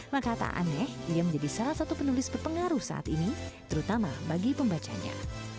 maka tak aneh ia menjadi salah satu penulis berpengaruh saat ini terutama bagi pembacanya